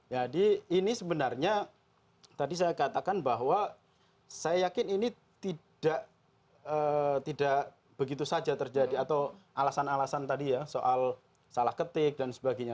jadi ini sebenarnya tadi saya katakan bahwa saya yakin ini tidak begitu saja terjadi atau alasan alasan tadi ya soal salah ketik dan sebagainya